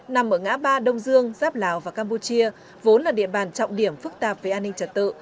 nằm ở ngã ba đông dương giáp lào và campuchia vốn là địa bàn trọng điểm phức tạp về an ninh trật tự